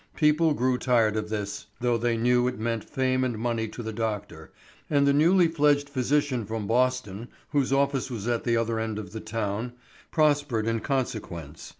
People grew tired of this, though they knew it meant fame and money to the doctor, and the newly fledged physician from Boston, whose office was at the other end of the town, prospered in consequence.